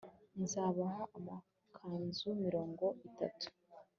nzabaha amakanzu mirongo itatu